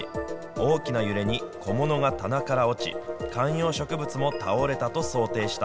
大きな揺れに、小物が棚から落ち、観葉植物も倒れたと想定した。